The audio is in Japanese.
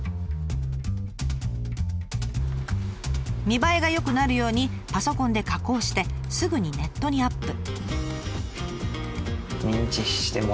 見栄えが良くなるようにパソコンで加工してすぐにネットにアップ。